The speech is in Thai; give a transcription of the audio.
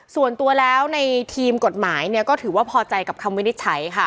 ส่วนตัวแล้วในทีมกฎหมายเนี่ยก็ถือว่าพอใจกับคำวินิจฉัยค่ะ